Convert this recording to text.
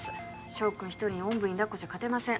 翔くん一人におんぶにだっこじゃ勝てません